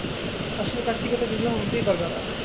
আশ্বিন-কার্তিকে তো বিবাহ হতেই পারবে না।